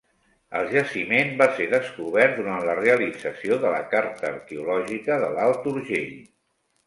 El jaciment va ser descobert durant la realització de la Carta Arqueològica de l'Alt Urgell.